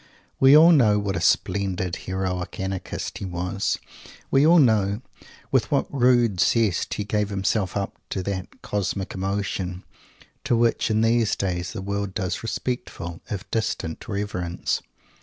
We all know what a splendid heroic Anarchist he was. We all know with what rude zest he gave himself up to that "Cosmic Emotion," to which in these days the world does respectful, if distant, reverence.